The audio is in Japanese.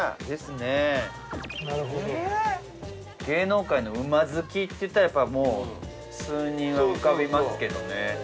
芸能界の馬好きっていったらもう数人は浮かびますけどね。